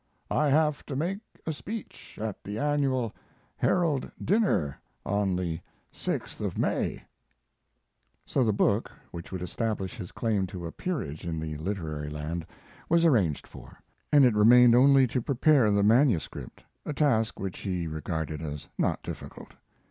I have to make a speech at the annual Herald dinner on the 6th of May. So the book, which would establish his claim to a peerage in the literary land, was arranged for, and it remained only to prepare the manuscript, a task which he regarded as not difficult.